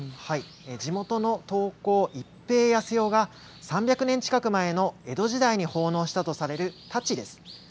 地元の刀工、一平安代が３００年近く前の江戸時代に奉納したとされるたちです。